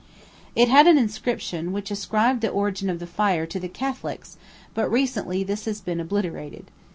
It had an inscription which ascribed the origin of the fire to the Catholics; but recently this has been obliterated.